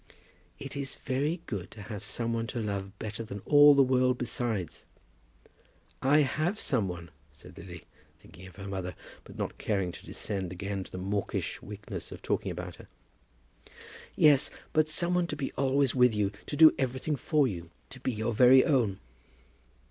"It is very good to have some one to love one better than all the world besides." "I have some one," said Lily, thinking of her mother, but not caring to descend again to the mawkish weakness of talking about her. "Yes; but some one to be always with you, to do everything for you, to be your very own."